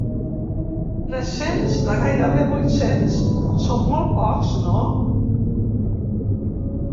Tres-cents de gairebé vuit-cents són molt pocs, no?